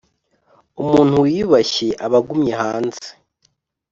umuntu wiyubashye aba agumye hanze.